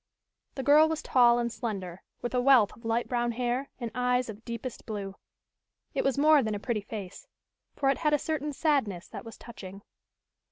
The girl was tall and slender, with a wealth of light brown hair and eyes of deepest blue. It was more than a pretty face, for it had a certain sadness that was touching.